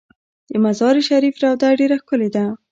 د مزار شریف روضه ډیره ښکلې ده